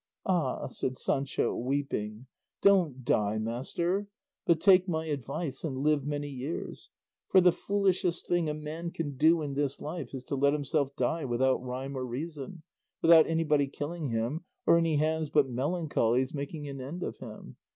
"Ah!" said Sancho weeping, "don't die, master, but take my advice and live many years; for the foolishest thing a man can do in this life is to let himself die without rhyme or reason, without anybody killing him, or any hands but melancholy's making an end of him.